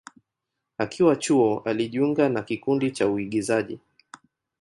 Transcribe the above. Akiwa chuo, alijiunga na kikundi cha uigizaji.